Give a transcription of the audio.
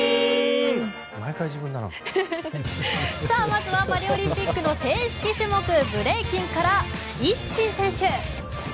まずはパリオリンピックの正式種目ブレイキンからＩＳＳＩＮ選手。